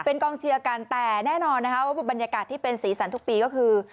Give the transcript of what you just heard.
เป็นกองเชียร์กันแต่แน่นอนนะคะว่าบรรยากาศที่เป็นสีสันทุกปีก็คือ